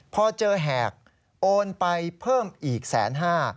พอเจอแหกโอนไปเพิ่มอีกแสนห้า